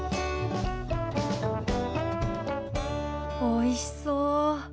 おいしそう。